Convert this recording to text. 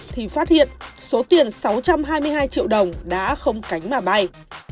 thì phát hiện số tiền sáu trăm hai mươi hai triệu đồng đã không cánh mà bay